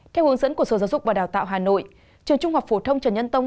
theo hướng dẫn của sở giáo dục và đào tạo hà nội trường trung học phổ thông trần nhân tông